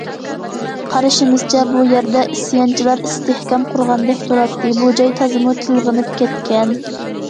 قارىشىمىزچە، بۇ يەردە ئىسيانچىلار ئىستىھكام قۇرغاندەك تۇراتتى: بۇ جاي تازىمۇ تىلغىنىپ كەتكەن.